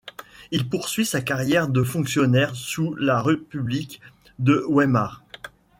Il poursuit sa carrière de fonctionnaire sous la république de Weimar.